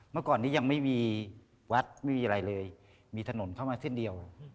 เมื่อก่อนนี้ยังไม่มีวัดไม่มีอะไรเลยมีถนนเข้ามาเส้นเดียว